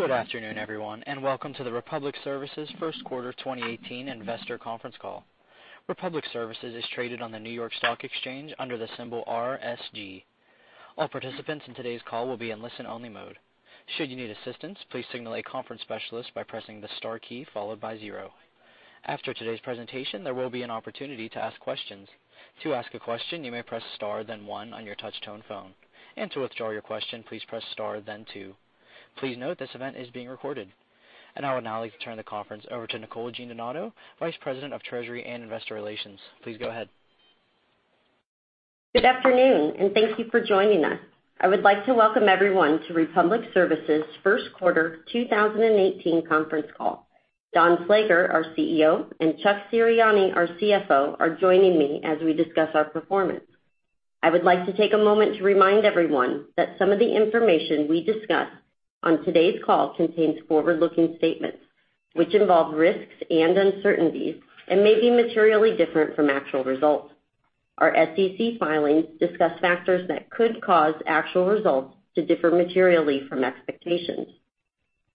Good afternoon, everyone, welcome to the Republic Services first quarter 2018 investor conference call. Republic Services is traded on the New York Stock Exchange under the symbol RSG. All participants in today's call will be in listen-only mode. Should you need assistance, please signal a conference specialist by pressing the star key followed by zero. After today's presentation, there will be an opportunity to ask questions. To ask a question, you may press star then one on your touch-tone phone, to withdraw your question, please press star then two. Please note this event is being recorded. I would now like to turn the conference over to Nicole Giandinoto, Vice President of Treasury and Investor Relations. Please go ahead. Good afternoon, and thank you for joining us. I would like to welcome everyone to Republic Services' first quarter 2018 conference call. Don Slager, our CEO, and Chuck Serianni, our CFO, are joining me as we discuss our performance. I would like to take a moment to remind everyone that some of the information we discuss on today's call contains forward-looking statements, which involve risks and uncertainties and may be materially different from actual results. Our SEC filings discuss factors that could cause actual results to differ materially from expectations.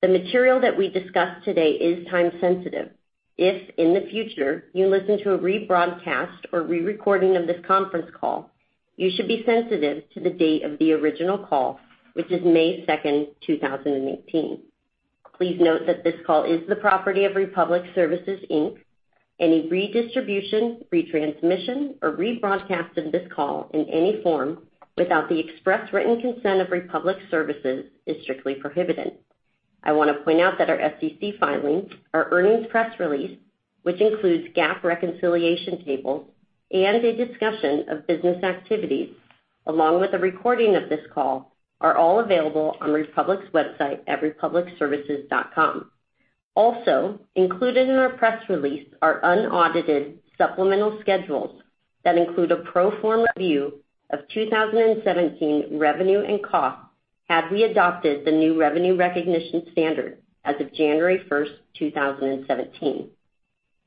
The material that we discuss today is time-sensitive. If, in the future, you listen to a rebroadcast or re-recording of this conference call, you should be sensitive to the date of the original call, which is May 2nd, 2018. Please note that this call is the property of Republic Services, Inc. Any redistribution, retransmission, or rebroadcast of this call in any form without the express written consent of Republic Services is strictly prohibited. I want to point out that our SEC filings, our earnings press release, which includes GAAP reconciliation tables and a discussion of business activities, along with a recording of this call, are all available on Republic's website at republicservices.com. Also included in our press release are unaudited supplemental schedules that include a pro forma review of 2017 revenue and costs had we adopted the new Revenue Recognition standard as of January 1st, 2017.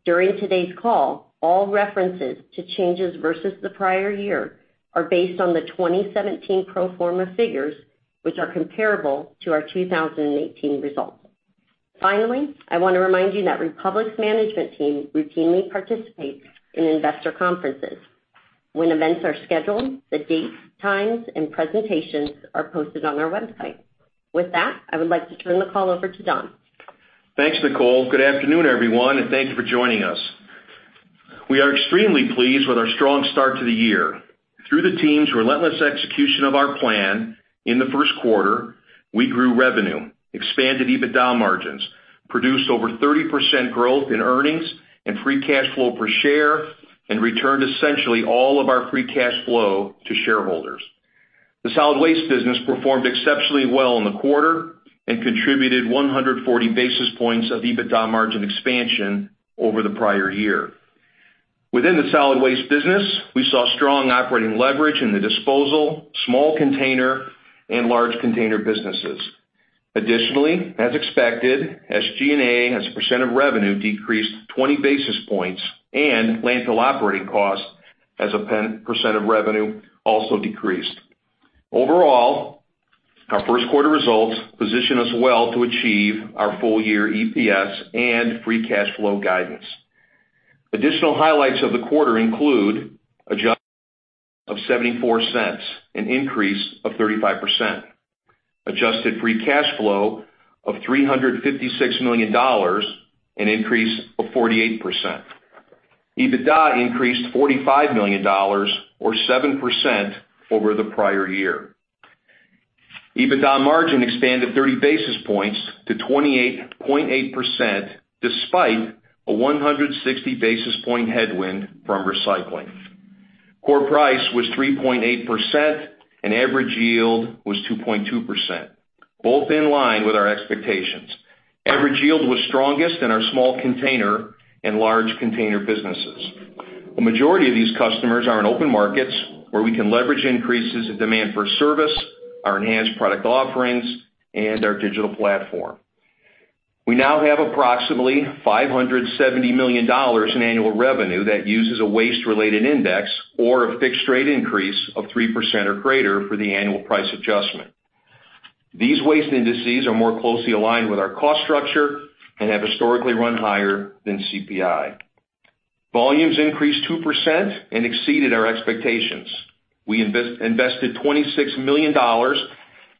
During today's call, all references to changes versus the prior year are based on the 2017 pro forma figures, which are comparable to our 2018 results. I want to remind you that Republic's management team routinely participates in investor conferences. When events are scheduled, the dates, times, and presentations are posted on our website. With that, I would like to turn the call over to Don. Thanks, Nicole. Good afternoon, everyone, and thank you for joining us. We are extremely pleased with our strong start to the year. Through the team's relentless execution of our plan in the first quarter, we grew revenue, expanded EBITDA margins, produced over 30% growth in earnings and free cash flow per share, and returned essentially all of our free cash flow to shareholders. The solid waste business performed exceptionally well in the quarter and contributed 140 basis points of EBITDA margin expansion over the prior year. Within the solid waste business, we saw strong operating leverage in the disposal, small container, and large container businesses. Additionally, as expected, SG&A as a % of revenue decreased 20 basis points and landfill operating costs as a % of revenue also decreased. Overall, our first quarter results position us well to achieve our full-year EPS and free cash flow guidance. Additional highlights of the quarter include: adjusted of $0.74, an increase of 35%. Adjusted free cash flow of $356 million, an increase of 48%. EBITDA increased $45 million or 7% over the prior year. EBITDA margin expanded 30 basis points to 28.8%, despite a 160 basis point headwind from recycling. Core price was 3.8% and average yield was 2.2%, both in line with our expectations. Average yield was strongest in our small container and large container businesses. The majority of these customers are in open markets where we can leverage increases in demand for service, our enhanced product offerings, and our digital platform. We now have approximately $570 million in annual revenue that uses a waste-related index or a fixed rate increase of 3% or greater for the annual price adjustment. These waste indices are more closely aligned with our cost structure and have historically run higher than CPI. Volumes increased 2% and exceeded our expectations. We invested $26 million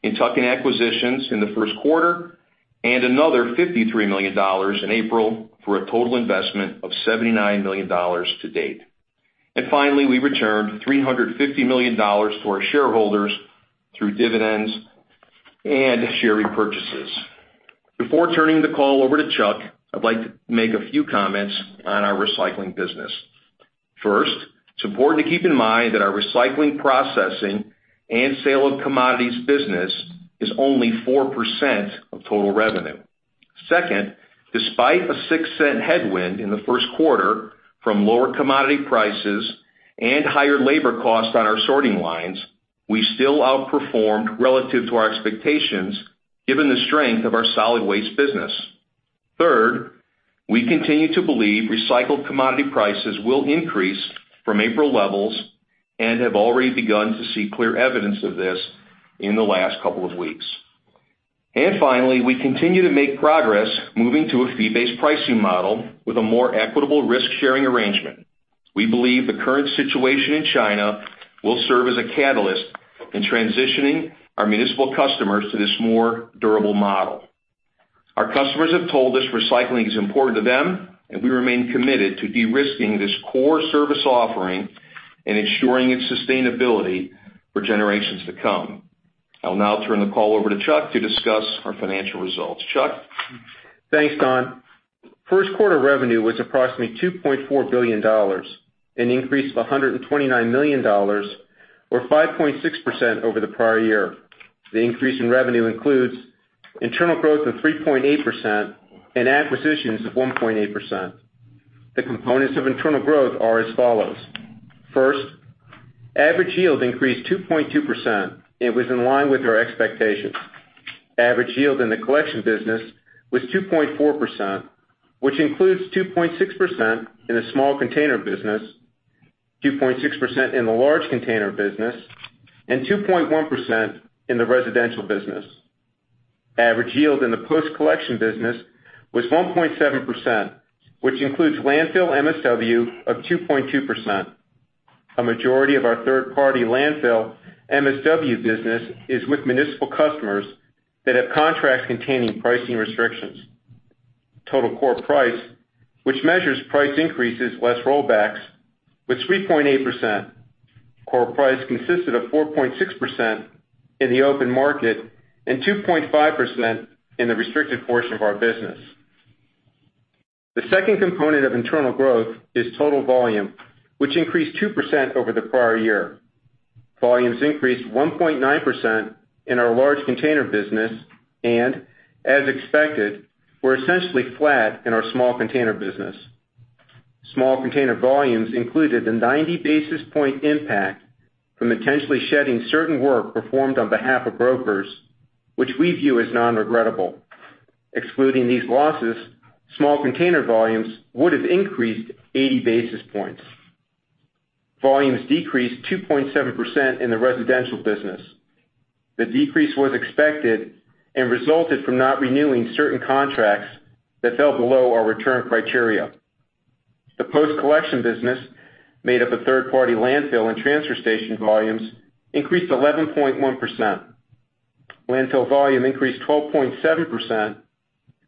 in tuck-in acquisitions in the first quarter and another $53 million in April for a total investment of $79 million to date. Finally, we returned $350 million to our shareholders through dividends and share repurchases. Before turning the call over to Chuck, I'd like to make a few comments on our recycling business. First, it's important to keep in mind that our recycling processing and sale of commodities business is only 4% of total revenue. Second, despite a $0.06 headwind in the first quarter from lower commodity prices and higher labor costs on our sorting lines, we still outperformed relative to our expectations given the strength of our solid waste business. Third, we continue to believe recycled commodity prices will increase from April levels and have already begun to see clear evidence of this in the last couple of weeks. Finally, we continue to make progress moving to a fee-based pricing model with a more equitable risk-sharing arrangement. We believe the current situation in China will serve as a catalyst in transitioning our municipal customers to this more durable model. Our customers have told us recycling is important to them, and we remain committed to de-risking this core service offering and ensuring its sustainability for generations to come. I'll now turn the call over to Chuck to discuss our financial results. Chuck? Thanks, Don. First quarter revenue was approximately $2.4 billion, an increase of $129 million, or 5.6% over the prior year. The increase in revenue includes internal growth of 3.8% and acquisitions of 1.8%. The components of internal growth are as follows. First, average yield increased 2.2% and was in line with our expectations. Average yield in the collection business was 2.4%, which includes 2.6% in the small container business, 2.6% in the large container business, and 2.1% in the residential business. Average yield in the post-collection business was 1.7%, which includes landfill MSW of 2.2%. A majority of our third-party landfill MSW business is with municipal customers that have contracts containing pricing restrictions. Total core price, which measures price increases less rollbacks, was 3.8%. Core price consisted of 4.6% in the open market and 2.5% in the restricted portion of our business. The second component of internal growth is total volume, which increased 2% over the prior year. Volumes increased 1.9% in our large container business and, as expected, were essentially flat in our small container business. Small container volumes included the 90 basis point impact from intentionally shedding certain work performed on behalf of brokers, which we view as non-regrettable. Excluding these losses, small container volumes would have increased 80 basis points. Volumes decreased 2.7% in the residential business. The decrease was expected and resulted from not renewing certain contracts that fell below our return criteria. The post-collection business made up of third-party landfill and transfer station volumes increased 11.1%. Landfill volume increased 12.7%,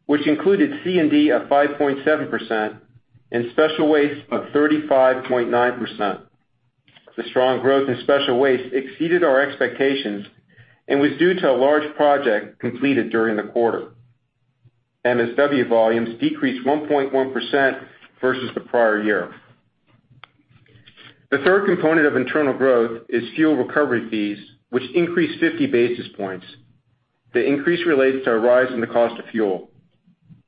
which included C&D of 5.7% and special waste of 35.9%. The strong growth in special waste exceeded our expectations and was due to a large project completed during the quarter. MSW volumes decreased 1.1% versus the prior year. The third component of internal growth is fuel recovery fees, which increased 50 basis points. The increase relates to a rise in the cost of fuel.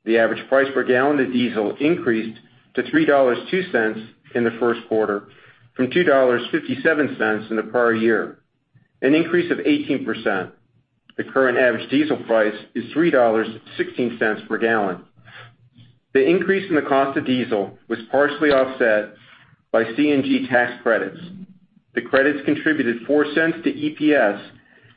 The average price per gallon of diesel increased to $3.02 in the first quarter from $2.57 in the prior year, an increase of 18%. The current average diesel price is $3.16 per gallon. The increase in the cost of diesel was partially offset by CNG tax credits. The credits contributed $0.04 to EPS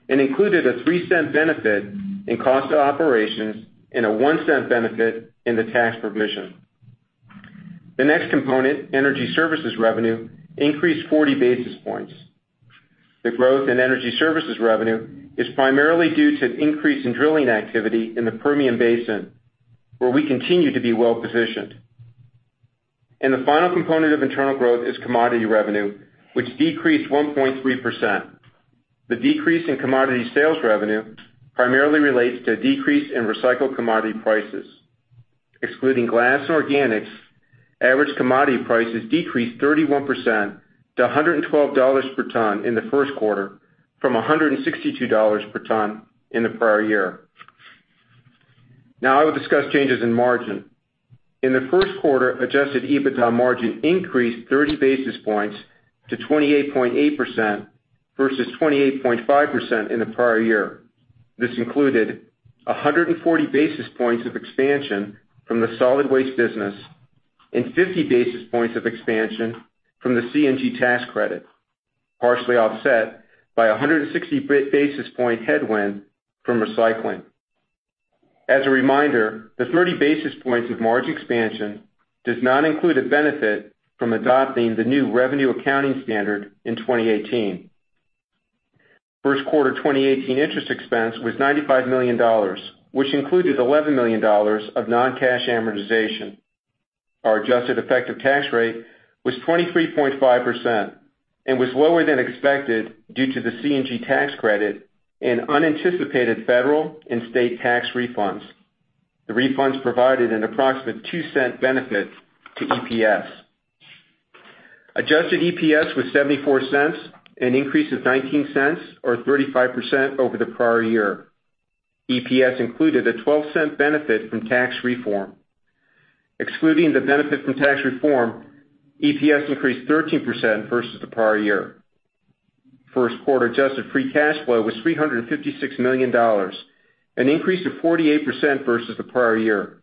and included a $0.03 benefit in cost of operations and a $0.01 benefit in the tax provision. The next component, energy services revenue, increased 40 basis points. The growth in energy services revenue is primarily due to increase in drilling activity in the Permian Basin, where we continue to be well-positioned. The final component of internal growth is commodity revenue, which decreased 1.3%. The decrease in commodity sales revenue primarily relates to a decrease in recycled commodity prices. Excluding glass and organics, average commodity prices decreased 31% to $112 per ton in the first quarter from $162 per ton in the prior year. Now I will discuss changes in margin. In the first quarter, adjusted EBITDA margin increased 30 basis points to 28.8% versus 28.5% in the prior year. This included 140 basis points of expansion from the solid waste business and 50 basis points of expansion from the CNG tax credit, partially offset by 160 basis point headwind from recycling. As a reminder, the 30 basis points of margin expansion does not include a benefit from adopting the new revenue accounting standard in 2018. First quarter 2018 interest expense was $95 million, which included $11 million of non-cash amortization. Our adjusted effective tax rate was 23.5% and was lower than expected due to the CNG tax credit and unanticipated federal and state tax refunds. The refunds provided an approximate $0.02 benefit to EPS. Adjusted EPS was $0.74, an increase of $0.19 or 35% over the prior year. EPS included a $0.12 benefit from tax reform. Excluding the benefit from tax reform, EPS increased 13% versus the prior year. First quarter adjusted free cash flow was $356 million, an increase of 48% versus the prior year.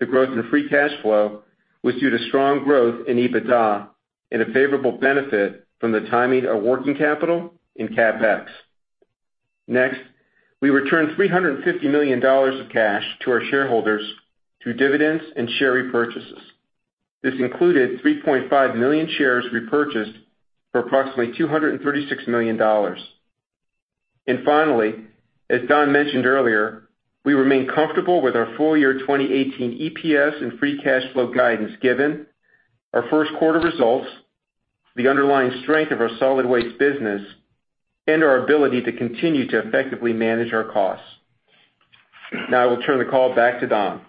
The growth in free cash flow was due to strong growth in EBITDA and a favorable benefit from the timing of working capital in CapEx. We returned $350 million of cash to our shareholders through dividends and share repurchases. This included 3.5 million shares repurchased for approximately $236 million. Finally, as Don mentioned earlier, we remain comfortable with our full year 2018 EPS and free cash flow guidance given our first quarter results, the underlying strength of our solid waste business, and our ability to continue to effectively manage our costs. I will turn the call back to Don.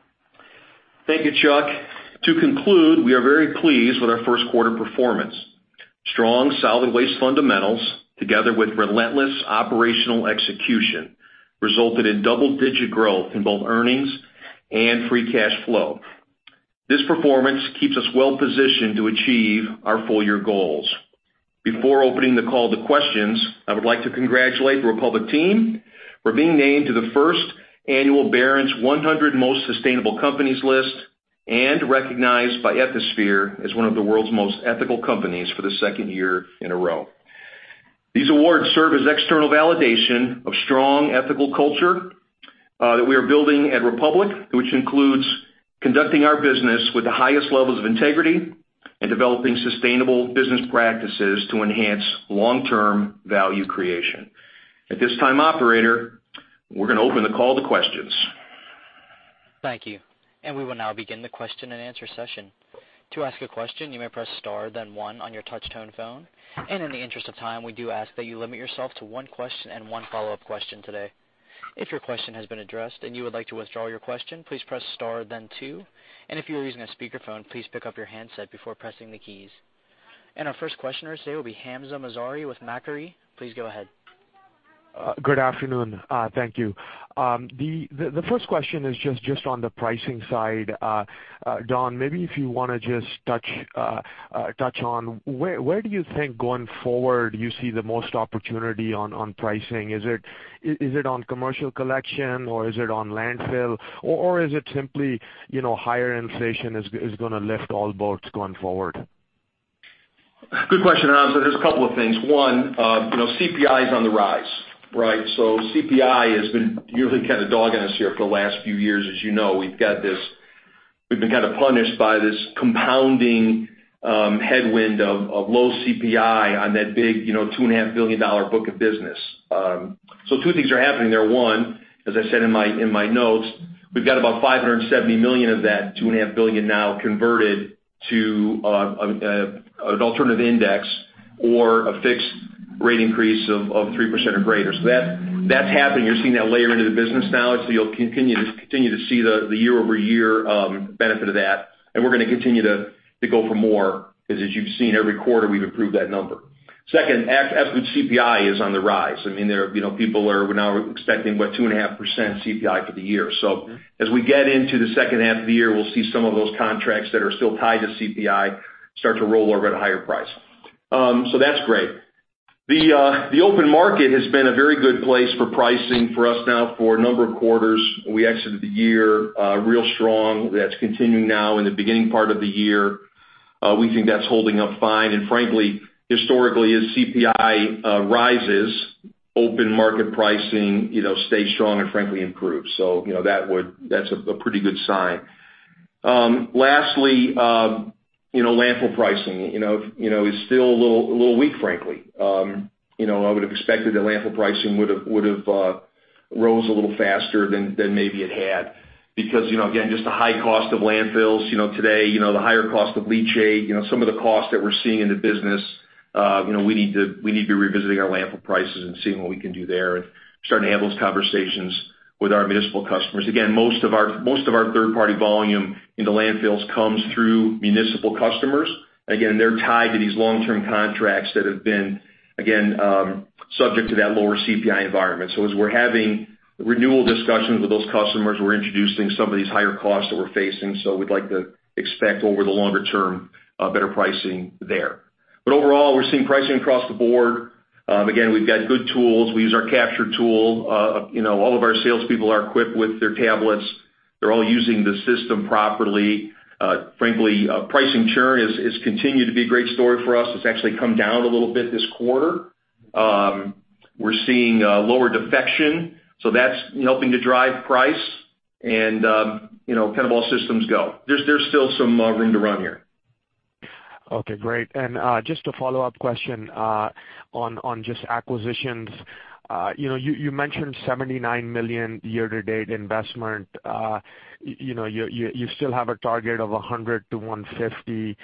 Thank you, Chuck. To conclude, we are very pleased with our first quarter performance. Strong, solid waste fundamentals, together with relentless operational execution, resulted in double-digit growth in both earnings and free cash flow. This performance keeps us well-positioned to achieve our full-year goals. Before opening the call to questions, I would like to congratulate the Republic team for being named to the first annual Barron's 100 Most Sustainable Companies list and recognized by Ethisphere as one of the world's most ethical companies for the second year in a row. These awards serve as external validation of strong ethical culture that we are building at Republic, which includes conducting our business with the highest levels of integrity and developing sustainable business practices to enhance long-term value creation. Operator, we're going to open the call to questions. Thank you. We will now begin the question and answer session. To ask a question, you may press star then one on your touch-tone phone. In the interest of time, we do ask that you limit yourself to one question and one follow-up question today. If your question has been addressed and you would like to withdraw your question, please press star then two. If you are using a speakerphone, please pick up your handset before pressing the keys. Our first questioner today will be Hamzah Mazari with Macquarie. Please go ahead. Good afternoon. Thank you. The first question is just on the pricing side. Don, maybe if you want to just touch on where do you think going forward you see the most opportunity on pricing? Is it on commercial collection, or is it on landfill, or is it simply higher inflation is going to lift all boats going forward? Good question, Hamzah. There's a couple of things. One, CPI is on the rise, right? CPI has been really kind of dogging us here for the last few years. As you know, we've been kind of punished by this compounding headwind of low CPI on that big $2.5 billion book of business. Two things are happening there. One, as I said in my notes, we've got about $570 million of that $2.5 billion now converted to an alternative index or a fixed rate increase of 3% or greater. That's happening. You're seeing that layer into the business now, so you'll continue to see the year-over-year benefit of that, and we're going to continue to go for more, because as you've seen every quarter, we've improved that number. Second, as good CPI is on the rise, people are now expecting 2.5% CPI for the year. As we get into the second half of the year, we'll see some of those contracts that are still tied to CPI start to roll over at a higher price. That's great. The open market has been a very good place for pricing for us now for a number of quarters. We exited the year real strong. That's continuing now in the beginning part of the year. We think that's holding up fine, and frankly, historically, as CPI rises, open market pricing stays strong and frankly improves. That's a pretty good sign. Lastly, landfill pricing is still a little weak, frankly. I would have expected the landfill pricing would have rose a little faster than maybe it had because, again, just the high cost of landfills today, the higher cost of leachate, some of the costs that we're seeing in the business, we need to be revisiting our landfill prices and seeing what we can do there and starting to have those conversations with our municipal customers. Again, most of our third-party volume in the landfills comes through municipal customers. Again, they're tied to these long-term contracts that have been, again, subject to that lower CPI environment. As we're having renewal discussions with those customers, we're introducing some of these higher costs that we're facing. We'd like to expect over the longer term, better pricing there. Overall, we're seeing pricing across the board. Again, we've got good tools. We use our Capture tool. All of our salespeople are equipped with their tablets. They're all using the system properly. Frankly, pricing churn has continued to be a great story for us. It's actually come down a little bit this quarter. We're seeing lower defection, that's helping to drive price and kind of all systems go. There's still some room to run here. Okay, great. Just a follow-up question on just acquisitions. You mentioned $79 million year-to-date investment. You still have a target of $100 million to $150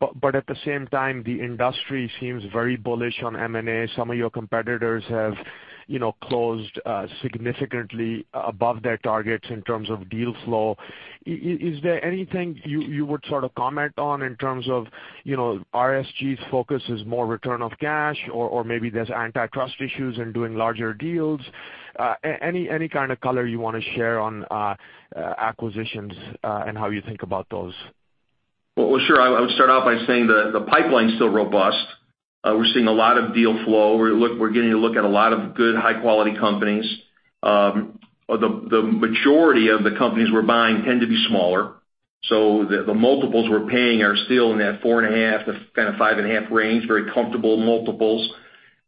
million, at the same time, the industry seems very bullish on M&A. Some of your competitors have closed significantly above their targets in terms of deal flow. Is there anything you would sort of comment on in terms of RSG's focus is more return of cash, or maybe there's antitrust issues in doing larger deals? Any kind of color you want to share on acquisitions and how you think about those? Well, sure. I would start off by saying the pipeline's still robust. We're seeing a lot of deal flow. We're getting a look at a lot of good high-quality companies. The majority of the companies we're buying tend to be smaller, the multiples we're paying are still in that 4.5 to kind of 5.5 range, very comfortable multiples.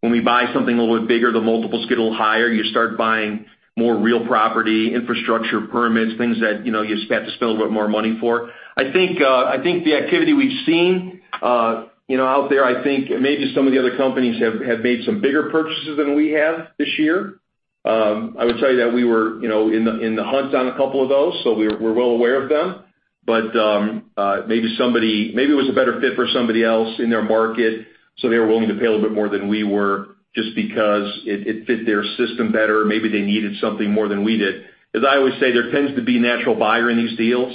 When we buy something a little bit bigger, the multiples get a little higher. You start buying more real property, infrastructure, permits, things that you just have to spend a little bit more money for. The activity we've seen out there, I think maybe some of the other companies have made some bigger purchases than we have this year. I would tell you that we were in the hunt on a couple of those, we're well aware of them. Maybe it was a better fit for somebody else in their market, they were willing to pay a little bit more than we were, just because it fit their system better. Maybe they needed something more than we did. As I always say, there tends to be a natural buyer in these deals,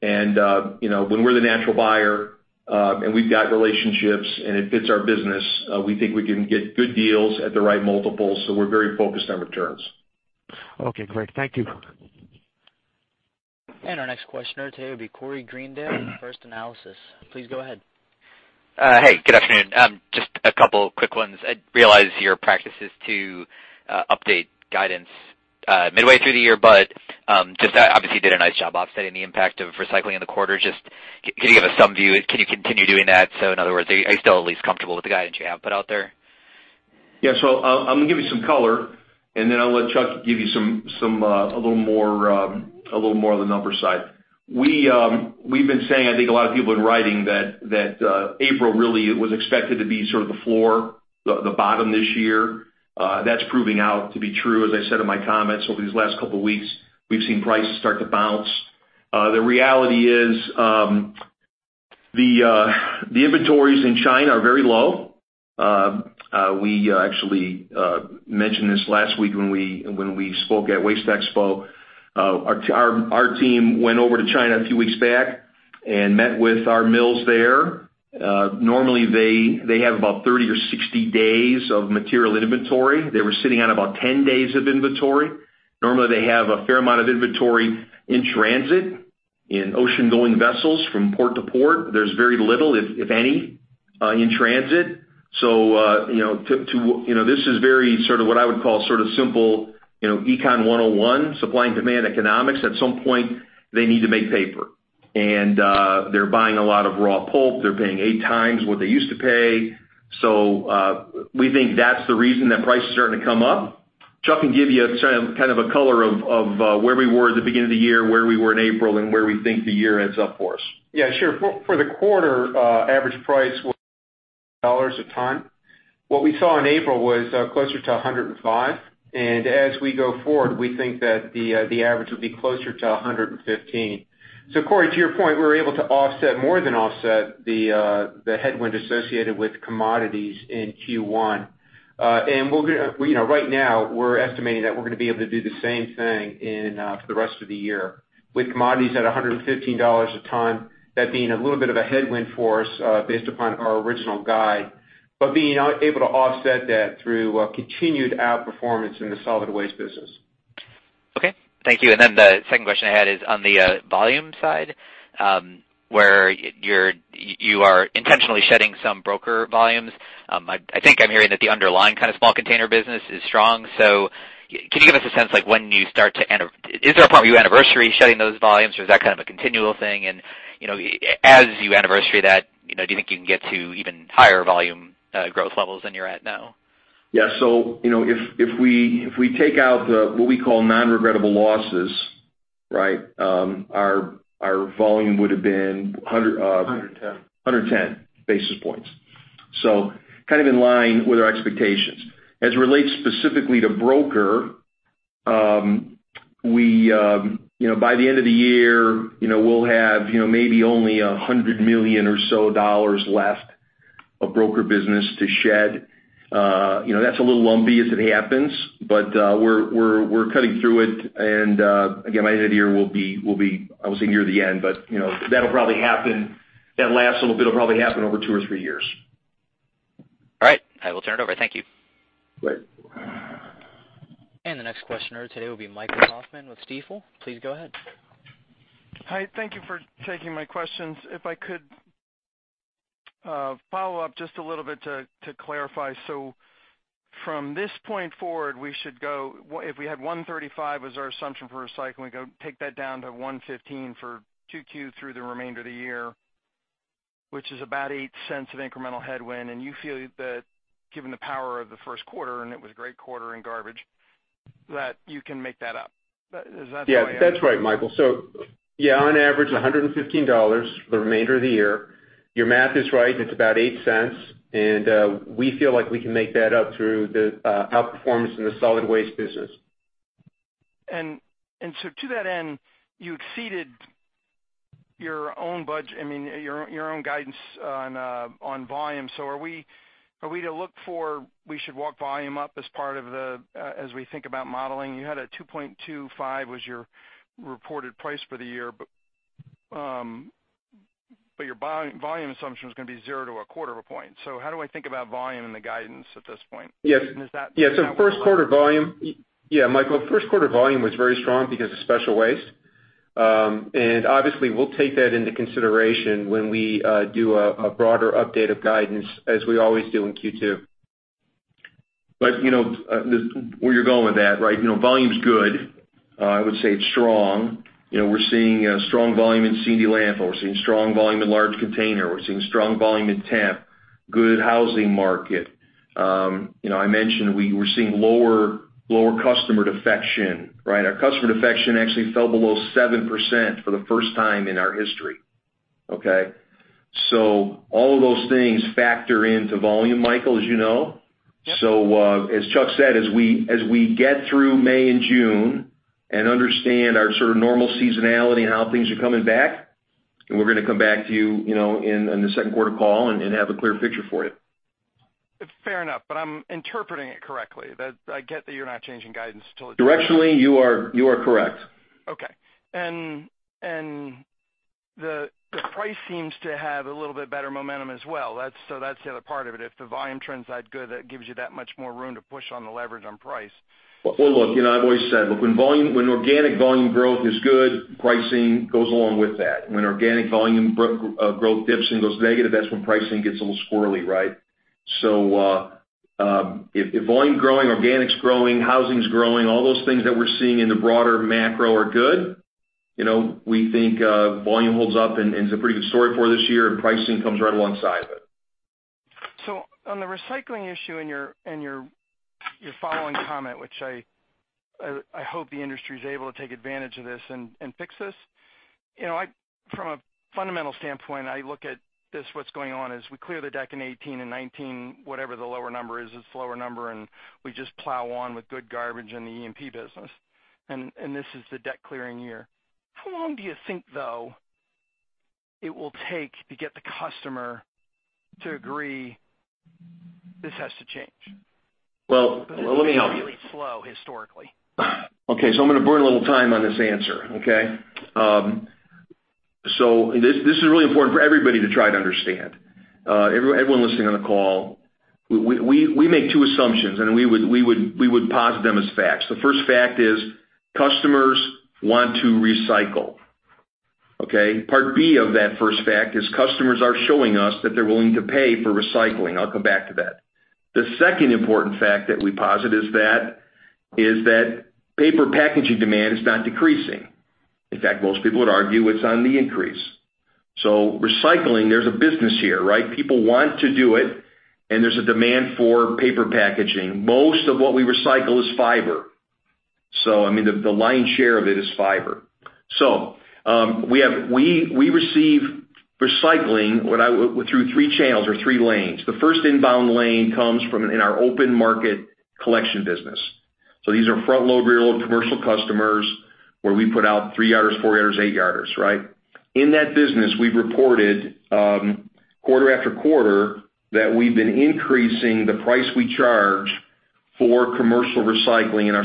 when we're the natural buyer and we've got relationships and it fits our business, we think we can get good deals at the right multiples. We're very focused on returns. Okay, great. Thank you. Our next questioner today will be Corey Greendale with First Analysis. Please go ahead. Hey, good afternoon. Just a couple quick ones. I realize your practice is to update guidance midway through the year, but just obviously did a nice job offsetting the impact of recycling in the quarter. Just, can you give us some view? Can you continue doing that? In other words, are you still at least comfortable with the guidance you have put out there? Yeah. I'm going to give you some color, and then I'll let Chuck give you a little more on the number side. We've been saying, I think a lot of people in writing that April really was expected to be sort of the floor, the bottom this year. That's proving out to be true, as I said in my comments over these last couple of weeks, we've seen prices start to bounce. The reality is the inventories in China are very low. We actually mentioned this last week when we spoke at WasteExpo. Our team went over to China a few weeks back and met with our mills there. Normally they have about 30 or 60 days of material inventory. They were sitting on about 10 days of inventory. Normally, they have a fair amount of inventory in transit, in ocean-going vessels from port to port. There's very little, if any, in transit. This is very sort of what I would call simple, Econ 101, supply and demand economics. At some point, they need to make paper, and they're buying a lot of raw pulp. They're paying eight times what they used to pay. We think that's the reason that prices are starting to come up. Chuck can give you kind of a color of where we were at the beginning of the year, where we were in April, and where we think the year ends up for us. Yeah, sure. For the quarter, average price was $100 a ton. What we saw in April was closer to $105. As we go forward, we think that the average will be closer to $115. Corey, to your point, we were able to more than offset the headwind associated with commodities in Q1. Right now we're estimating that we're going to be able to do the same thing for the rest of the year with commodities at $115 a ton, that being a little bit of a headwind for us based upon our original guide, but being able to offset that through continued outperformance in the solid waste business. Okay, thank you. The second question I had is on the volume side, where you are intentionally shedding some broker volumes. I think I'm hearing that the underlying kind of small container business is strong. Can you give us a sense, like when you anniversary shedding those volumes, or is that kind of a continual thing? As you anniversary that, do you think you can get to even higher volume growth levels than you're at now? Yeah. If we take out what we call non-regrettable losses, our volume would've been- 110 110 basis points. Kind of in line with our expectations. As it relates specifically to broker, by the end of the year, we'll have maybe only $100 million or so left of broker business to shed. That's a little lumpy as it happens, but we're cutting through it. Again, by the end of the year, I won't say near the end, but that'll probably happen. That last little bit will probably happen over two or three years. All right. I will turn it over. Thank you. Right. The next questioner today will be Michael Hoffman with Stifel. Please go ahead. Hi. Thank you for taking my questions. If I could follow up just a little bit to clarify. From this point forward, if we had 135 as our assumption for recycling, go take that down to 115 for 2Q through the remainder of the year, which is about $0.08 of incremental headwind. You feel that given the power of the first quarter, and it was a great quarter in garbage, that you can make that up. Yeah, that's right, Michael. Yeah, on average, $115 for the remainder of the year. Your math is right, it's about $0.08. We feel like we can make that up through the outperformance in the solid waste business. To that end, you exceeded your own budget, I mean, your own guidance on volume. We should walk volume up as we think about modeling? You had a 2.25 was your reported price for the year. Your volume assumption is going to be 0 to a quarter of a point. How do I think about volume in the guidance at this point? Yes. Is that- Yeah. Michael, first quarter volume was very strong because of special waste. Obviously, we'll take that into consideration when we do a broader update of guidance as we always do in Q2. Where you're going with that, right? Volume's good. I would say it's strong. We're seeing strong volume in C&D landfill. We're seeing strong volume in large container. We're seeing strong volume in temp, good housing market. I mentioned we were seeing lower customer defection, right? Our customer defection actually fell below 7% for the first time in our history. Okay? All of those things factor into volume, Michael, as you know. Yep. As Chuck said, as we get through May and June and understand our sort of normal seasonality and how things are coming back, and we're going to come back to you in the second quarter call and have a clear picture for you. Fair enough. I'm interpreting it correctly, that I get that you're not changing guidance until? Directionally, you are correct. Okay. The price seems to have a little bit better momentum as well. That's the other part of it. If the volume trends that good, that gives you that much more room to push on the leverage on price. Well, look, I've always said, when organic volume growth is good, pricing goes along with that. When organic volume growth dips and goes negative, that's when pricing gets a little squirrely, right? If volume growing, organic's growing, housing's growing, all those things that we're seeing in the broader macro are good. We think volume holds up and is a pretty good story for this year, and pricing comes right alongside of it. On the recycling issue and your following comment, which I hope the industry is able to take advantage of this and fix this. From a fundamental standpoint, I look at this, what's going on is we clear the deck in 2018 and 2019, whatever the lower number is, it's the lower number, and we just plow on with good garbage in the E&P business. This is the debt-clearing year. How long do you think, though, it will take to get the customer to agree this has to change? Well, let me help you. It's slow historically. Okay. I'm going to burn a little time on this answer, okay? This is really important for everybody to try to understand. Everyone listening on the call, we make two assumptions, and we would posit them as facts. The first fact is customers want to recycle, okay? Part B of that first fact is customers are showing us that they're willing to pay for recycling. I'll come back to that. The second important fact that we posit is that paper packaging demand is not decreasing. In fact, most people would argue it's on the increase. Recycling, there's a business here, right? People want to do it, and there's a demand for paper packaging. Most of what we recycle is fiber. I mean, the lion's share of it is fiber. We receive recycling through three channels or three lanes. The first inbound lane comes from in our open market collection business. These are front load, rear load commercial customers where we put out 3-yarders, 4-yarders, 8-yarders, right? In that business, we've reported, quarter after quarter, that we've been increasing the price we charge for commercial recycling in our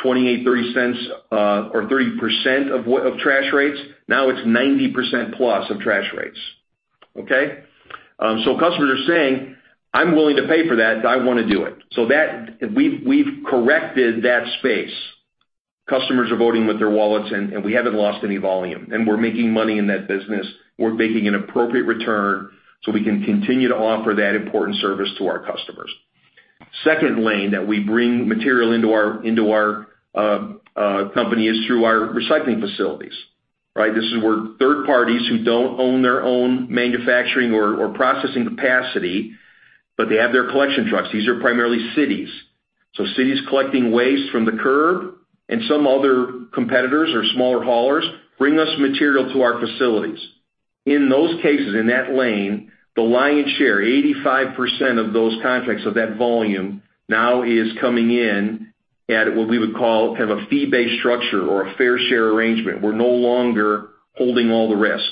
small container business. Started out $0.28, $0.30, or 30% of trash rates. Now it's 90% plus of trash rates. Okay? Customers are saying, "I'm willing to pay for that because I want to do it." We've corrected that space. Customers are voting with their wallets, and we haven't lost any volume. We're making money in that business. We're making an appropriate return so we can continue to offer that important service to our customers. Second lane that we bring material into our company is through our recycling facilities, right? This is where third parties who don't own their own manufacturing or processing capacity, but they have their collection trucks. These are primarily cities. Cities collecting waste from the curb and some other competitors or smaller haulers bring us material to our facilities. In those cases, in that lane, the lion's share, 85% of those contracts, of that volume now is coming in at what we would call kind of a fee-based structure or a fair share arrangement. We're no longer holding all the risk.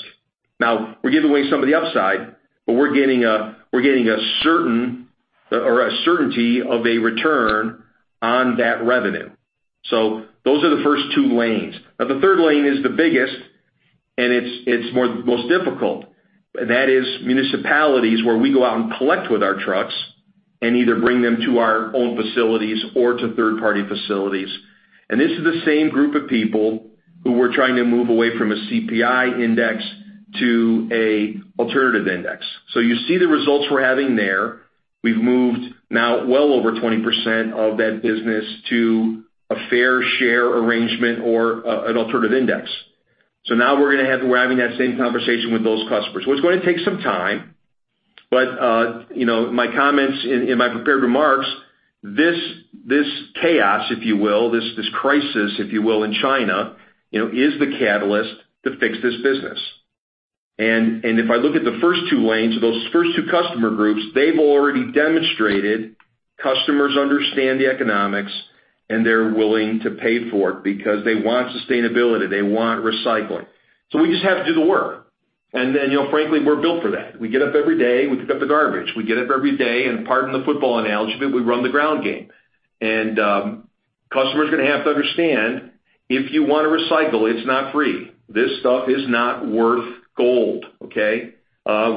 Now, we're giving away some of the upside, but we're getting a certainty of a return on that revenue. Those are the first two lanes. The third lane is the biggest, and it's most difficult. That is municipalities where we go out and collect with our trucks and either bring them to our own facilities or to third-party facilities. This is the same group of people who we're trying to move away from a CPI index to an alternative index. You see the results we're having there. We've moved now well over 20% of that business to a fair share arrangement or an alternative index. Now we're having that same conversation with those customers. It's going to take some time, but my comments in my prepared remarks, this chaos, if you will, this crisis, if you will, in China, is the catalyst to fix this business. If I look at the first two lanes, those first two customer groups, they've already demonstrated customers understand the economics, and they're willing to pay for it because they want sustainability. They want recycling. We just have to do the work. Frankly, we're built for that. We get up every day, we pick up the garbage. We get up every day, pardon the football analogy, but we run the ground game. Customers are going to have to understand, if you want to recycle, it's not free. This stuff is not worth gold, okay?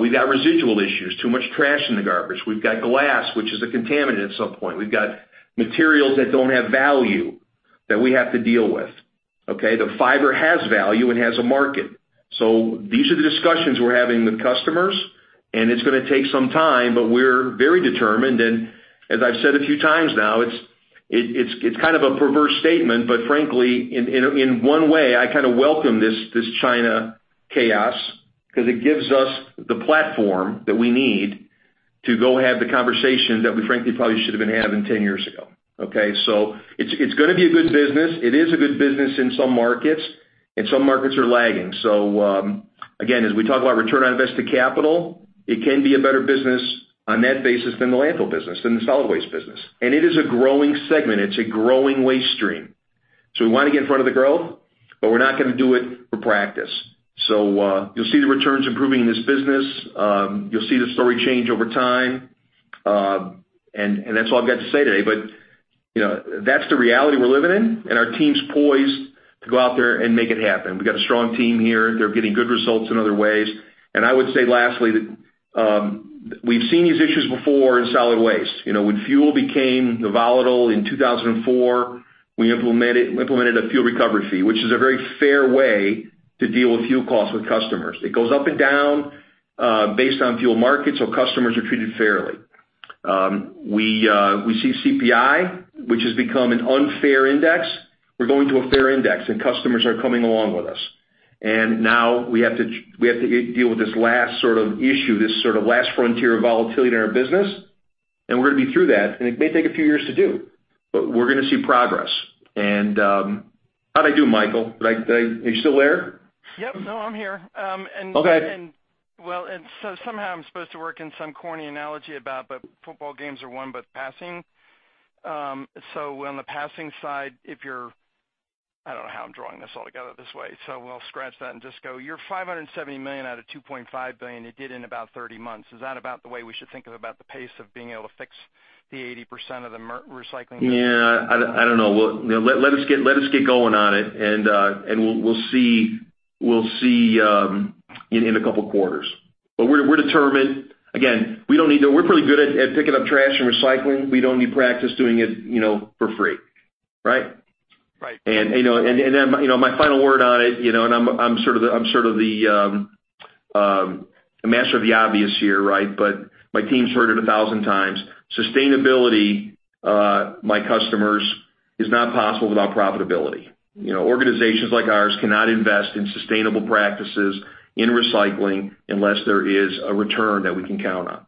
We got residual issues, too much trash in the garbage. We've got glass, which is a contaminant at some point. We've got materials that don't have value that we have to deal with, okay? These are the discussions we're having with customers, and it's going to take some time, but we're very determined. As I've said a few times now, it's kind of a perverse statement, but frankly, in one way, I kind of welcome this China chaos, because it gives us the platform that we need to go have the conversation that we frankly probably should have been having 10 years ago. Okay? It's going to be a good business. It is a good business in some markets, and some markets are lagging. Again, as we talk about return on invested capital, it can be a better business on net basis than the landfill business, than the solid waste business. It is a growing segment. It's a growing waste stream. We want to get in front of the growth, but we're not going to do it for practice. You'll see the returns improving in this business. You'll see the story change over time. That's all I've got to say today. That's the reality we're living in, and our team's poised to go out there and make it happen. We've got a strong team here. They're getting good results in other ways. I would say lastly, we've seen these issues before in solid waste. When fuel became volatile in 2004, we implemented a fuel recovery fee, which is a very fair way to deal with fuel costs with customers. It goes up and down based on fuel markets, so customers are treated fairly. We see CPI, which has become an unfair index. We're going to a fair index, and customers are coming along with us. Now we have to deal with this last sort of issue, this sort of last frontier of volatility in our business, and we're going to be through that. It may take a few years to do, but we're going to see progress. How'd I do, Michael? Are you still there? Yep. No, I'm here. Okay. Well, somehow I'm supposed to work in some corny analogy about, but football games are won but passing. On the passing side, I don't know how I'm drawing this all together this way, so we'll scratch that and just go. Your $570 million out of $2.5 billion you did in about 30 months. Is that about the way we should think of about the pace of being able to fix the 80% of the recycling? Yeah, I don't know. Let us get going on it, and we'll see in a couple of quarters. We're determined. Again, we're pretty good at picking up trash and recycling. We don't need practice doing it for free. Right? Right. My final word on it, I'm sort of the master of the obvious here, right? My team's heard it a thousand times. Sustainability, my customers, is not possible without profitability. Organizations like ours cannot invest in sustainable practices in recycling unless there is a return that we can count on.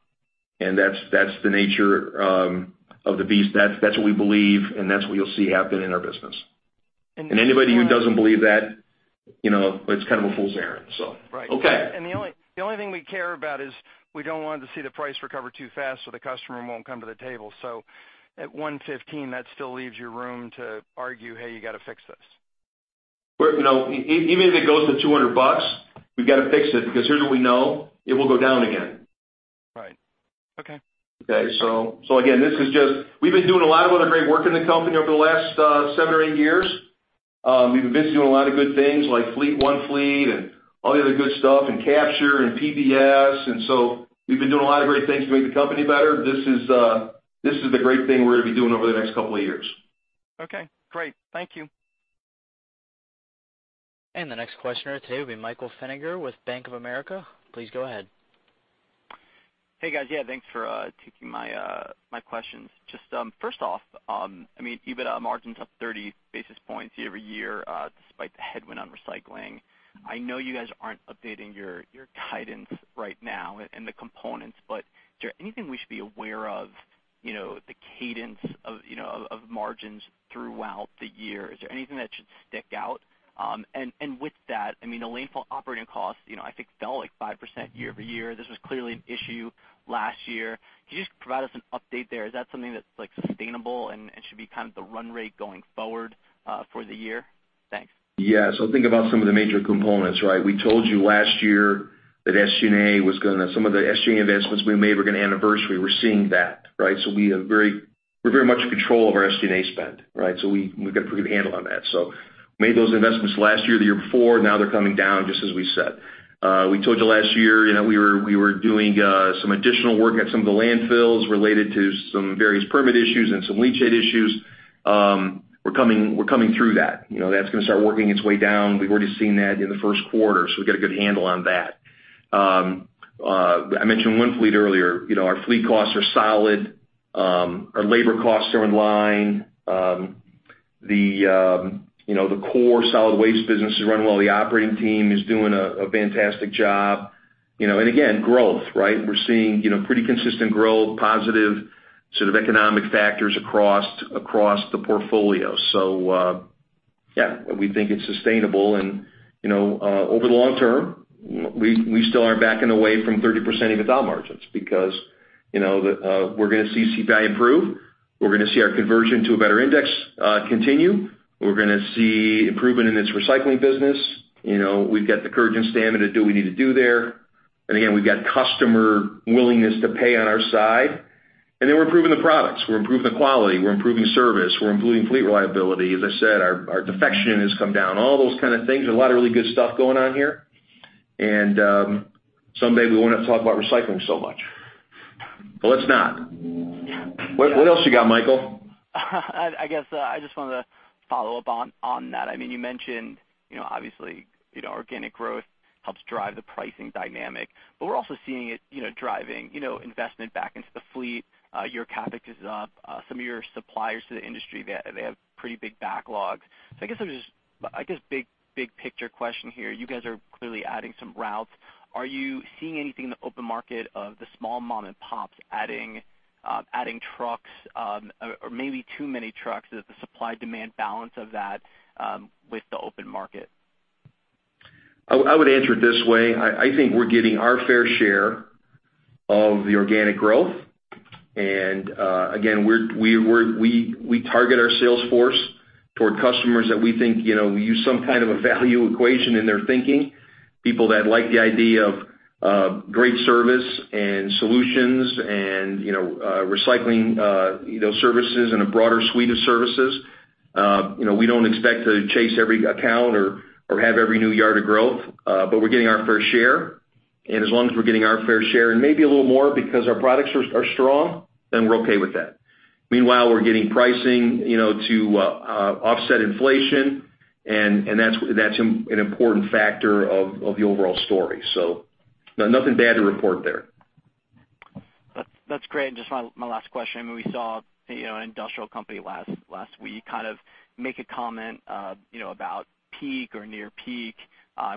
That's the nature of the beast. That's what we believe, and that's what you'll see happen in our business. Anybody who doesn't believe that, it's kind of a fool's errand, so. Right. Okay. The only thing we care about is we don't want to see the price recover too fast, so the customer won't come to the table. At $115, that still leaves you room to argue, "Hey, you got to fix this. Even if it goes to $200, we've got to fix it because here's what we know, it will go down again. Right. Okay. Okay. Again, we've been doing a lot of other great work in the company over the last seven or eight years. We've been doing a lot of good things like One Fleet and all the other good stuff and Capture and PBS. We've been doing a lot of great things to make the company better. This is the great thing we're going to be doing over the next couple of years. Okay, great. Thank you. The next questioner today will be Michael Feniger with Bank of America. Please go ahead. Hey, guys. Thanks for taking my questions. First off, I mean, EBITDA margins up 30 basis points year-over-year, despite the headwind on recycling. I know you guys aren't updating your guidance right now and the components, is there anything we should be aware of, the cadence of margins throughout the year? Is there anything that should stick out? With that, I mean, the landfill operating costs, I think fell 5% year-over-year. This was clearly an issue last year. Can you just provide us an update there? Is that something that's sustainable and should be kind of the run rate going forward for the year? Thanks. Think about some of the major components, right? We told you last year that some of the SG&A investments we made were going to anniversary. We're seeing that, right? We're very much in control of our SG&A spend, right? We've got a pretty good handle on that. Made those investments last year, the year before. Now they're coming down, just as we said. We told you last year we were doing some additional work at some of the landfills related to some various permit issues and some leachate issues. We're coming through that. That's going to start working its way down. We've already seen that in the first quarter, we've got a good handle on that. I mentioned One Fleet earlier. Our fleet costs are solid. Our labor costs are in line. The core solid waste business is running well. The operating team is doing a fantastic job. Again, growth, right? We're seeing pretty consistent growth, positive sort of economic factors across the portfolio. Yeah, we think it's sustainable. Over the long term, we still aren't backing away from 30% EBITDA margins because we're going to see CPI improve. We're going to see our conversion to a better index continue. We're going to see improvement in this recycling business. We've got the courage and stamina to do what we need to do there. Again, we've got customer willingness to pay on our side. We're improving the products. We're improving the quality. We're improving service. We're improving fleet reliability. As I said, our defection has come down. All those kind of things. A lot of really good stuff going on here. Someday we won't have to talk about recycling so much. Well, let's not. What else you got, Michael? I guess I just wanted to follow up on that. You mentioned, obviously, organic growth helps drive the pricing dynamic, but we're also seeing it driving investment back into the fleet. Your CapEx is up. Some of your suppliers to the industry, they have pretty big backlogs. I guess the big picture question here, you guys are clearly adding some routes. Are you seeing anything in the open market of the small mom and pops adding trucks, or maybe too many trucks as the supply-demand balance of that with the open market? I would answer it this way. I think we're getting our fair share of the organic growth. Again, we target our sales force toward customers that we think use some kind of a value equation in their thinking. People that like the idea of great service and solutions and recycling those services and a broader suite of services. We don't expect to chase every account or have every new yard of growth, but we're getting our fair share. As long as we're getting our fair share and maybe a little more because our products are strong, then we're okay with that. Meanwhile, we're getting pricing to offset inflation, and that's an important factor of the overall story. Nothing bad to report there. That's great. Just my last question. We saw an industrial company last week kind of make a comment about peak or near peak.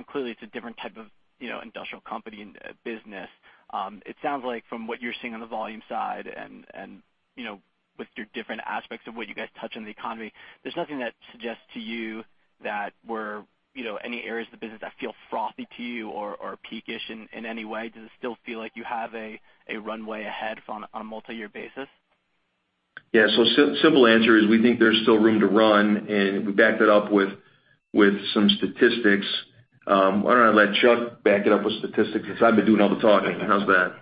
Clearly, it's a different type of industrial company and business. It sounds like from what you're seeing on the volume side and with your different aspects of what you guys touch in the economy, there's nothing that suggests to you any areas of the business that feel frothy to you or peak-ish in any way? Does it still feel like you have a runway ahead on a multi-year basis? Simple answer is we think there's still room to run, and we back that up with some statistics. Why don't I let Chuck back it up with statistics since I've been doing all the talking. How's that?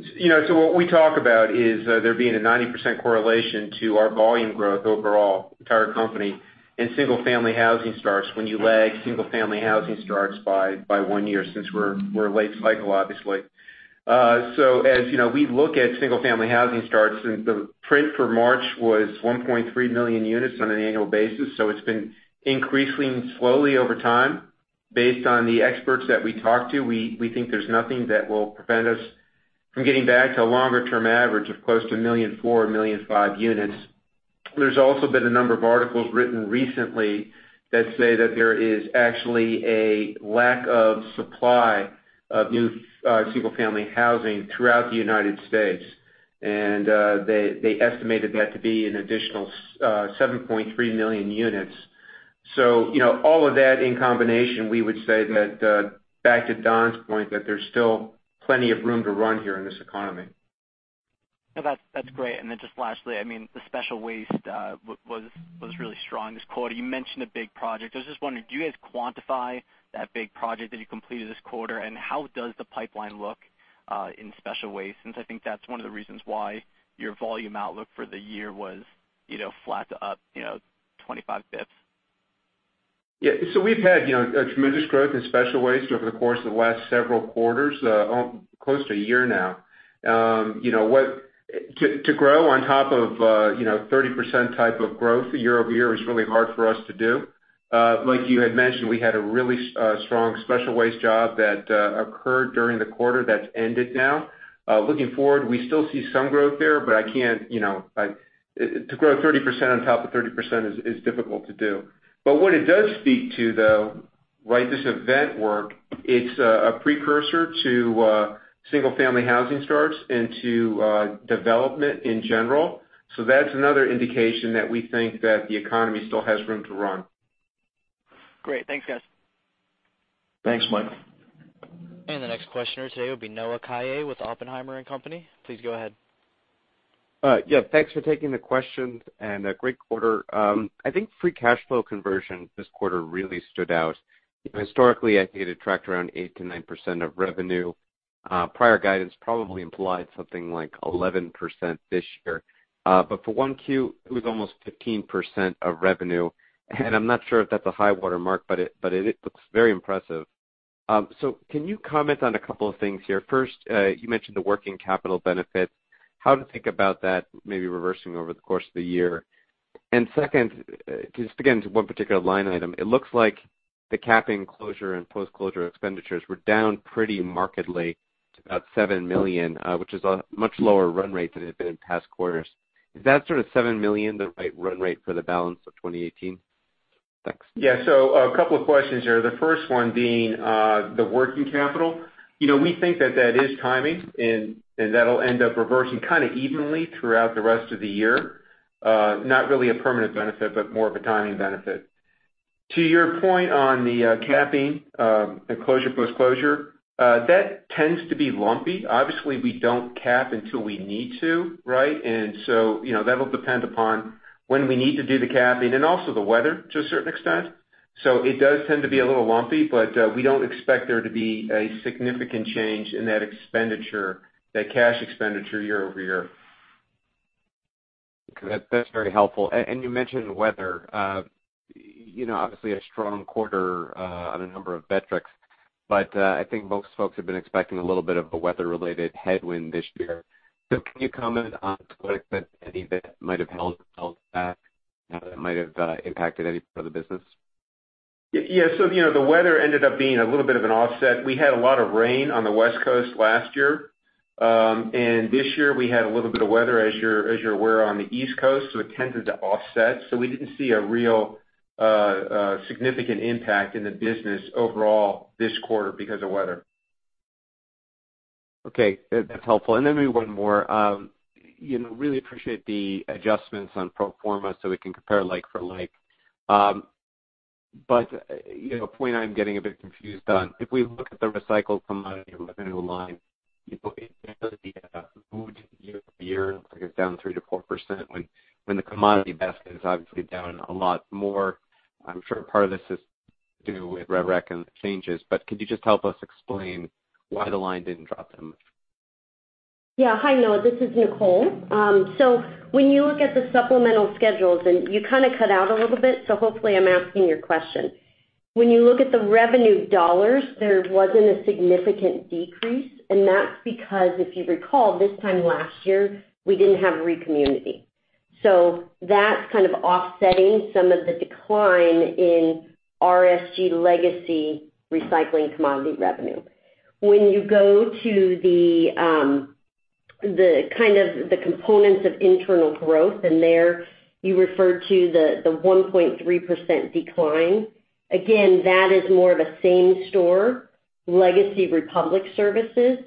What we talk about is there being a 90% correlation to our volume growth overall, entire company, and single-family housing starts when you lag single-family housing starts by 1 year since we're late cycle, obviously. As we look at single-family housing starts, the print for March was 1.3 million units on an annual basis. It's been increasing slowly over time. Based on the experts that we talk to, we think there's nothing that will prevent us from getting back to a longer-term average of close to 1.4 million, 1.5 million units. There's also been a number of articles written recently that say that there is actually a lack of supply of new single-family housing throughout the U.S. They estimated that to be an additional 7.3 million units. All of that in combination, we would say that back to Don's point, that there's still plenty of room to run here in this economy. That's great. Just lastly, the special waste was really strong this quarter. You mentioned a big project. I was just wondering, do you guys quantify that big project that you completed this quarter? How does the pipeline look in special waste, since I think that's one of the reasons why your volume outlook for the year was flat to up 25 basis points? We've had a tremendous growth in special waste over the course of the last several quarters, close to a year now. To grow on top of 30% type of growth year-over-year is really hard for us to do. Like you had mentioned, we had a really strong special waste job that occurred during the quarter that's ended now. Looking forward, we still see some growth there, to grow 30% on top of 30% is difficult to do. What it does speak to, though, this event work, it's a precursor to single-family housing starts and to development in general. That's another indication that we think that the economy still has room to run. Great. Thanks, guys. Thanks, Mike. The next questioner today will be Noah Kaye with Oppenheimer & Company. Please go ahead. Thanks for taking the questions, a great quarter. I think free cash flow conversion this quarter really stood out. Historically, I think it attracted around 8%-9% of revenue. Prior guidance probably implied something like 11% this year. For 1Q, it was almost 15% of revenue, I'm not sure if that's a high water mark, but it looks very impressive. Can you comment on a couple of things here? First, you mentioned the working capital benefit, how to think about that maybe reversing over the course of the year. Second, just again, to one particular line item, it looks like the capping closure and post-closure expenditures were down pretty markedly to about $7 million, which is a much lower run rate than it had been in past quarters. Is that sort of $7 million the right run rate for the balance of 2018? Thanks. A couple of questions there. The first one being the working capital. We think that that is timing, that'll end up reversing kind of evenly throughout the rest of the year. Not really a permanent benefit, but more of a timing benefit. To your point on the capping and closure post-closure, that tends to be lumpy. Obviously, we don't cap until we need to. That'll depend upon when we need to do the capping and also the weather to a certain extent. It does tend to be a little lumpy, but we don't expect there to be a significant change in that cash expenditure year-over-year. Thank you. That's very helpful. You mentioned weather. Obviously a strong quarter on a number of metrics, but I think most folks have been expecting a little bit of a weather-related headwind this year. Can you comment on to what extent any of that might have held back? How that might have impacted any part of the business? Yeah. The weather ended up being a little bit of an offset. We had a lot of rain on the West Coast last year. This year we had a little bit of weather, as you're aware, on the East Coast, it tended to offset. We didn't see a real significant impact in the business overall this quarter because of weather. Okay. That's helpful. Then maybe one more. Really appreciate the adjustments on pro forma so we can compare like for like. A point I'm getting a bit confused on, if we look at the recycled commodity revenue line, it barely moved year-over-year, looks like it's down 3%-4%, when the commodity basket is obviously down a lot more. I'm sure part of this is to do with Revenue Recognition and the changes, could you just help us explain why the line didn't drop that much? Yeah. Hi, Noah, this is Nicole. When you look at the supplemental schedules, you kind of cut out a little bit, hopefully I'm asking your question. When you look at the revenue dollars, there wasn't a significant decrease, that's because, if you recall, this time last year, we didn't have ReCommunity. That's kind of offsetting some of the decline in RSG legacy recycling commodity revenue. When you go to the components of internal growth, there you refer to the 1.3% decline, again, that is more of a same store legacy Republic Services.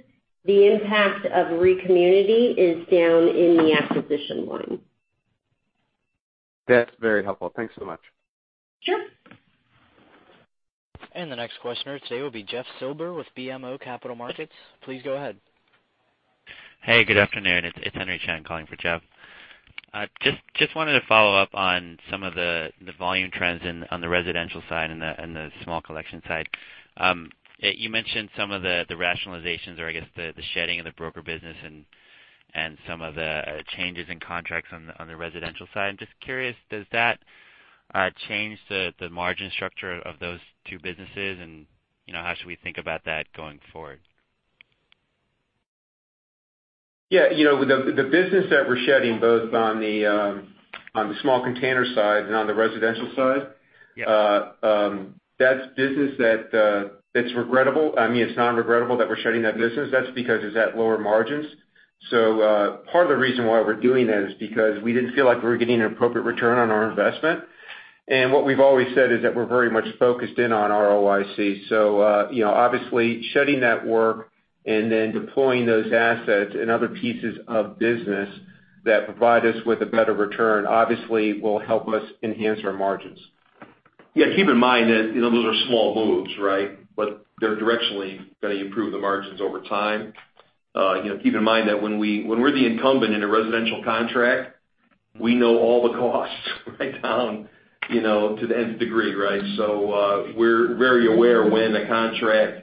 The impact of ReCommunity is down in the acquisition line. That's very helpful. Thanks so much. Sure. The next questioner today will be Jeffrey Silber with BMO Capital Markets. Please go ahead. Hey, good afternoon. It's Henry Chen calling for Jeff. Just wanted to follow up on some of the volume trends on the residential side and the small collection side. You mentioned some of the rationalizations or I guess the shedding of the broker business and some of the changes in contracts on the residential side. I'm just curious, does that change the margin structure of those two businesses? How should we think about that going forward? Yeah. The business that we're shedding, both on the small container side and on the residential side. Yeah That's business that it's regrettable. I mean, it's not regrettable that we're shedding that business. That's because it's at lower margins. Part of the reason why we're doing that is because we didn't feel like we were getting an appropriate return on our investment. What we've always said is that we're very much focused in on ROIC. Obviously shutting that work and then deploying those assets in other pieces of business that provide us with a better return, obviously will help us enhance our margins. Keep in mind that those are small moves, right? They're directionally going to improve the margins over time. Keep in mind that when we're the incumbent in a residential contract, we know all the costs right down to the Nth degree, right? We're very aware when a contract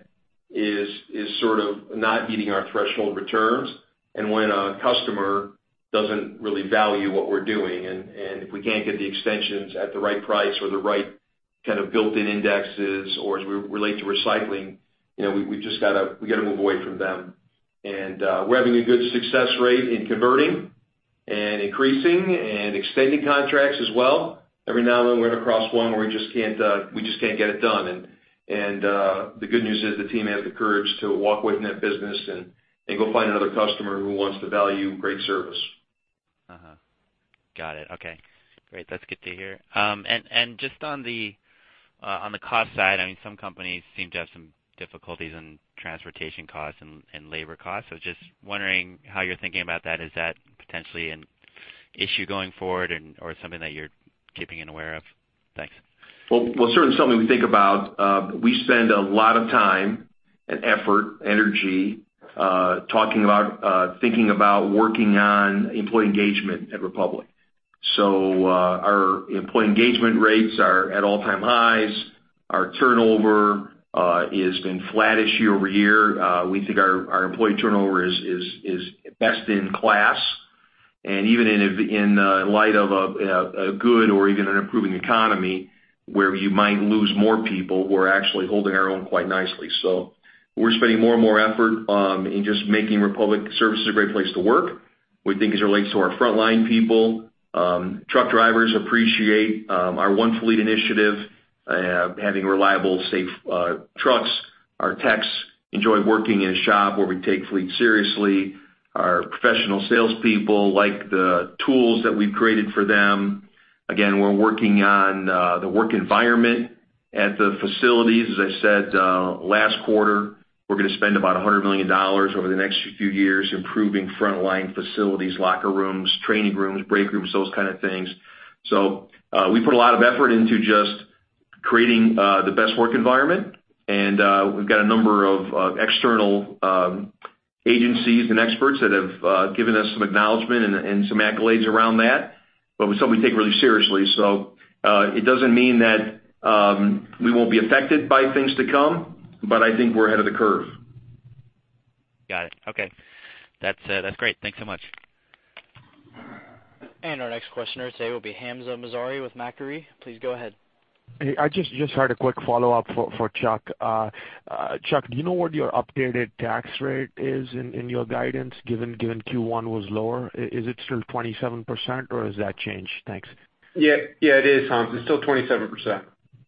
is sort of not meeting our threshold returns and when a customer doesn't really value what we're doing. If we can't get the extensions at the right price or the right kind of built-in indexes or as we relate to recycling, we got to move away from them. We're having a good success rate in converting and increasing and extending contracts as well. Every now and then we're going to cross one where we just can't get it done. The good news is the team has the courage to walk away from that business and go find another customer who wants to value great service. Got it. Okay, great, that's good to hear. Just on the cost side, some companies seem to have some difficulties in transportation costs and labor costs. Just wondering how you're thinking about that. Is that potentially an issue going forward or something that you're keeping an aware of? Thanks. Well, certainly something we think about. We spend a lot of time and effort, energy, thinking about working on employee engagement at Republic. Our employee engagement rates are at all-time highs. Our turnover has been flattish year-over-year. We think our employee turnover is best in class. Even in light of a good or even an improving economy where you might lose more people, we're actually holding our own quite nicely. We're spending more and more effort in just making Republic Services a great place to work. We think as it relates to our frontline people, truck drivers appreciate our One Fleet initiative, having reliable, safe trucks. Our techs enjoy working in a shop where we take fleet seriously. Our professional salespeople like the tools that we've created for them. Again, we're working on the work environment at the facilities. As I said last quarter, we're going to spend about $100 million over the next few years improving frontline facilities, locker rooms, training rooms, break rooms, those kind of things. We put a lot of effort into just creating the best work environment. We've got a number of external agencies and experts that have given us some acknowledgement and some accolades around that, but it's something we take really seriously. It doesn't mean that we won't be affected by things to come, but I think we're ahead of the curve. Got it. Okay. That's great. Thanks so much. Our next questioner today will be Hamzah Mazari with Macquarie. Please go ahead. Hey, I just had a quick follow-up for Chuck. Chuck, do you know what your updated tax rate is in your guidance, given Q1 was lower? Is it still 27% or has that changed? Thanks. Yeah, it is, Hamza. It's still 27%.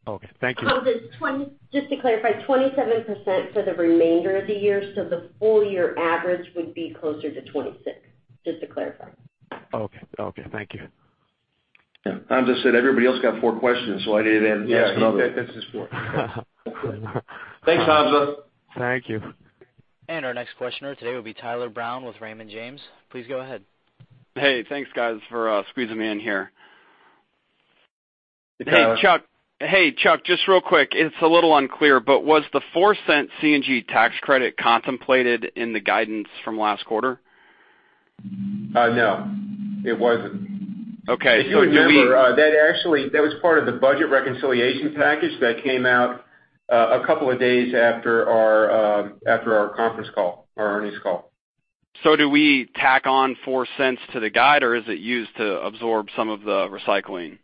Okay. Thank you. Just to clarify, 27% for the remainder of the year, the full year average would be closer to 26. Just to clarify. Okay. Thank you. Yeah. Hamza said everybody else got four questions. I need to ask another. Yeah, he said this is four. Thanks, Hamza. Thank you. Our next questioner today will be Tyler Brown with Raymond James. Please go ahead. Hey, thanks, guys, for squeezing me in here. Hey, Chuck, just real quick, it's a little unclear, was the $0.04 CNG tax credit contemplated in the guidance from last quarter? No, it wasn't. Okay. If you remember, that was part of the budget reconciliation package that came out a couple of days after our conference call, our earnings call. Do we tack on $0.04 to the guide, or is it used to absorb some of the recycling?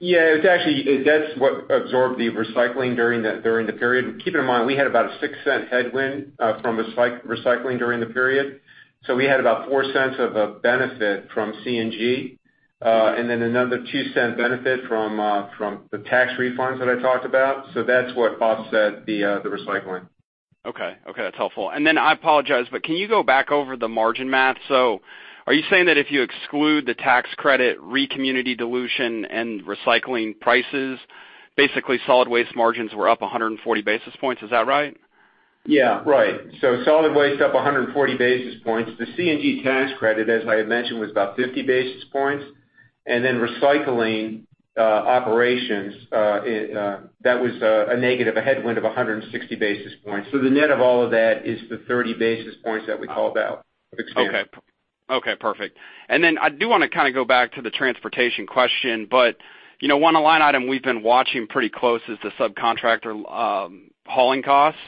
That's what absorbed the recycling during the period. Keep in mind, we had about a $0.06 headwind from recycling during the period. We had about $0.04 of a benefit from CNG, and then another $0.02 benefit from the tax refunds that I talked about. That's what offset the recycling. That's helpful. I apologize, but can you go back over the margin math? Are you saying that if you exclude the tax credit, ReCommunity dilution, and recycling prices, basically solid waste margins were up 140 basis points. Is that right? Yeah, right. Solid waste up 140 basis points. The CNG tax credit, as I had mentioned, was about 50 basis points. Recycling operations, that was a negative, a headwind of 160 basis points. The net of all of that is the 30 basis points that we called out. Okay. Perfect. I do want to go back to the transportation question, one line item we've been watching pretty close is the subcontractor hauling costs,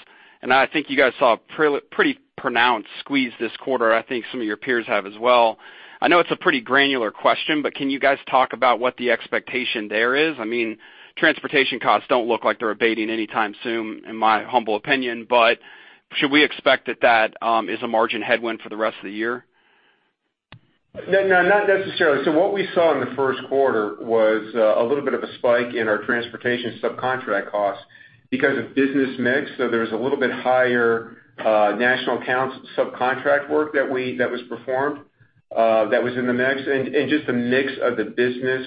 I think you guys saw a pretty pronounced squeeze this quarter. I think some of your peers have as well. I know it's a pretty granular question, can you guys talk about what the expectation there is? Transportation costs don't look like they're abating anytime soon, in my humble opinion, should we expect that that is a margin headwind for the rest of the year? No, not necessarily. What we saw in the first quarter was a little bit of a spike in our transportation subcontract costs because of business mix. There was a little bit higher national accounts subcontract work that was performed, that was in the mix, and just a mix of the business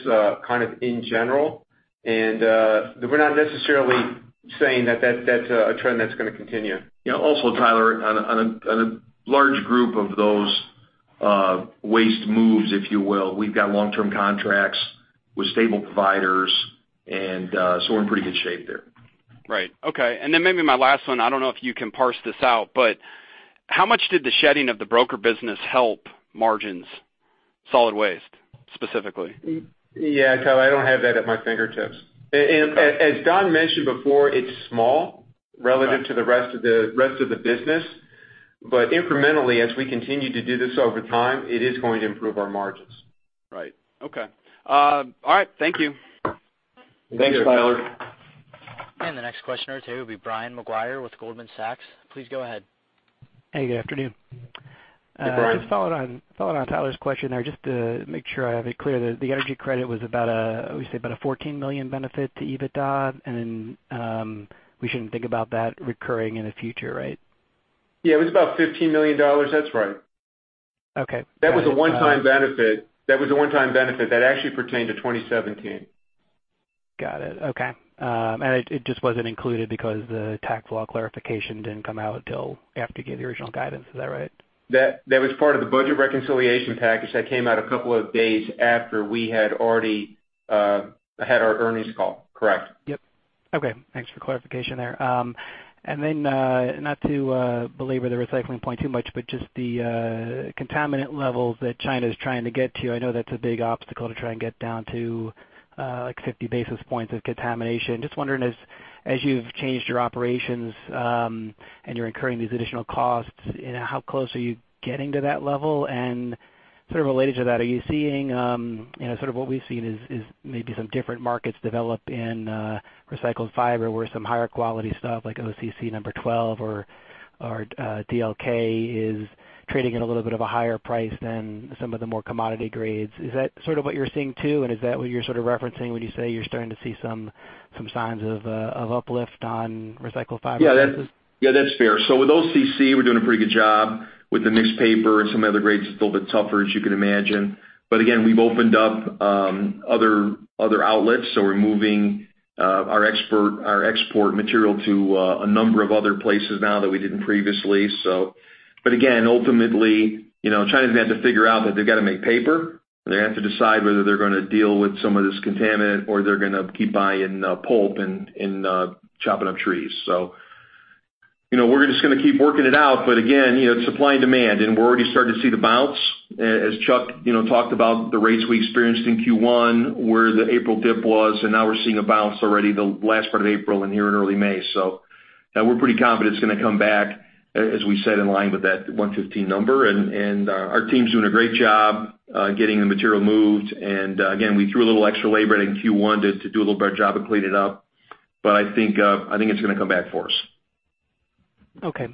in general. We're not necessarily saying that that's a trend that's going to continue. Also, Tyler, on a large group of those waste moves, if you will, we've got long-term contracts with stable providers we're in pretty good shape there. Right. Okay. Maybe my last one, I don't know if you can parse this out, but how much did the shedding of the broker business help margins, solid waste specifically? Yeah, Tyler, I don't have that at my fingertips. Okay. As Don mentioned before, it's small- Right relative to the rest of the business. Incrementally, as we continue to do this over time, it is going to improve our margins. Right. Okay. All right. Thank you. Thanks, Tyler. The next questioner today will be Brian Maguire with Goldman Sachs. Please go ahead. Hey, good afternoon. Hey, Brian. Just following on Tyler's question there, just to make sure I have it clear, the energy credit was about, I would say, about a $14 million benefit to EBITDA, we shouldn't think about that recurring in the future, right? Yeah, it was about $15 million. That's right. Okay. That was a one-time benefit that actually pertained to 2017. Got it. Okay. It just wasn't included because the tax law clarification didn't come out until after you gave the original guidance, is that right? That was part of the budget reconciliation package that came out a couple of days after we had already had our earnings call. Correct. Yep. Okay. Thanks for the clarification there. Not to belabor the recycling point too much, but just the contaminant levels that China's trying to get to, I know that's a big obstacle to try and get down to like 50 basis points of contamination. Just wondering, as you've changed your operations and you're incurring these additional costs, how close are you getting to that level? Are you seeing maybe some different markets develop in recycled fiber where some higher quality stuff like OCC number 12 or DLK is trading at a little bit of a higher price than some of the more commodity grades? Is that sort of what you're seeing, too? Is that what you're sort of referencing when you say you're starting to see some signs of uplift on recycled fibers? Yeah, that's fair. With OCC, we're doing a pretty good job. With the mixed paper and some of the other grades, it's a little bit tougher, as you can imagine. We've opened up other outlets. We're moving our export material to a number of other places now that we didn't previously. Ultimately, China's going to have to figure out that they've got to make paper, and they have to decide whether they're going to deal with some of this contaminant or they're going to keep buying pulp and chopping up trees. We're just going to keep working it out. It's supply and demand, and we're already starting to see the bounce. Chuck talked about the rates we experienced in Q1, where the April dip was, and now we're seeing a bounce already the last part of April and here in early May. We're pretty confident it's going to come back, as we said, in line with that 115 number. Our team's doing a great job getting the material moved. Again, we threw a little extra labor at it in Q1 to do a little better job of cleaning up. I think it's going to come back for us. Okay.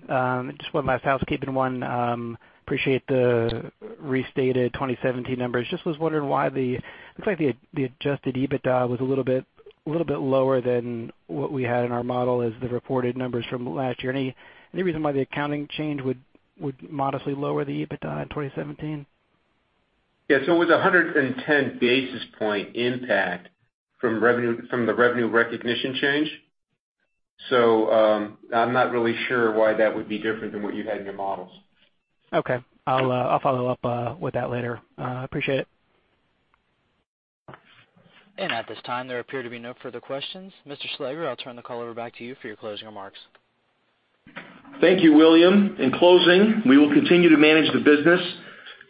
Just one last housekeeping one. Appreciate the restated 2017 numbers. Just was wondering why the Looks like the adjusted EBITDA was a little bit lower than what we had in our model as the reported numbers from last year. Any reason why the accounting change would modestly lower the EBITDA in 2017? Yeah. It was 110 basis point impact from the Revenue Recognition change. I'm not really sure why that would be different than what you had in your models. Okay. I'll follow up with that later. Appreciate it. At this time, there appear to be no further questions. Mr. Slager, I'll turn the call back over to you for your closing remarks. Thank you, William. In closing, we will continue to manage the business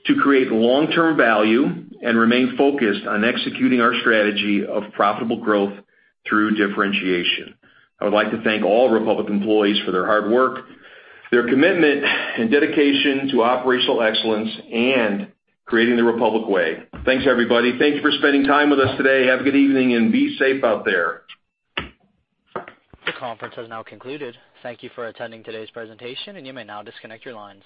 to create long-term value and remain focused on executing our strategy of profitable growth through differentiation. I would like to thank all Republic employees for their hard work, their commitment, and dedication to operational excellence and creating the Republic Way. Thanks, everybody. Thank you for spending time with us today. Have a good evening and be safe out there. This conference has now concluded. Thank you for attending today's presentation, and you may now disconnect your lines.